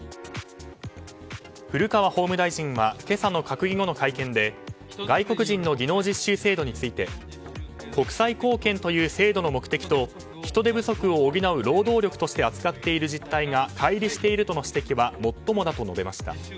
古川法務大臣は今朝の閣議後の会見で外国人の技能実習制度について国際貢献という制度の目的と人手不足を補う労働力として扱っている実態が乖離しているとの指摘はもっともだと述べました。